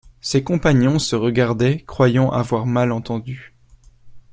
Ses compagnons se regardaient, croyant avoir mal entendu.